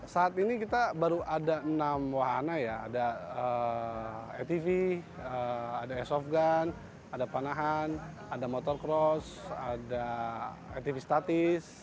saat ini kita baru ada enam wahana ya ada eh tv ada esofgan ada panahan ada motocross ada etv statis